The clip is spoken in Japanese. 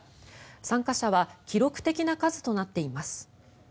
参加者は記録的な数となっています。